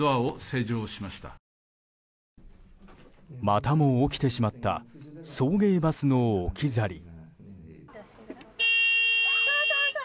またも起きてしまった送迎バスの置き去り。